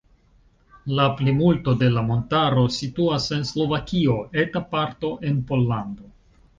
La plimulto de la montaro situas en Slovakio, eta parto en Pollando.